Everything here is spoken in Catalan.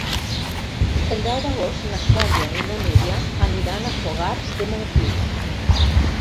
El deu d'agost na Cèlia i na Núria aniran a Fogars de Montclús.